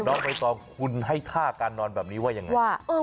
ใบตองคุณให้ท่าการนอนแบบนี้ว่ายังไง